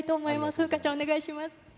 風花ちゃん、お願いします。